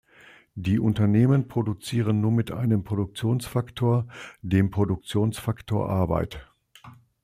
Die Unternehmen produzieren nur mit einem Produktionsfaktor, dem Produktionsfaktor Arbeit.